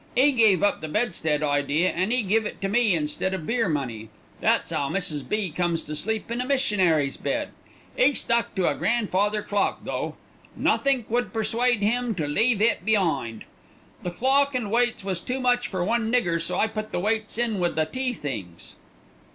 'E gave up the bedstead idea, an' 'e give it to me instead o' beer money. That's 'ow Mrs. B. comes to sleep in a missionary's bed. 'E stuck to a grandfather clock, though. Nothink could persuade 'im to leave it be'ind. The clock and weights was too much for one nigger, so I put the weights in wi' the tea things."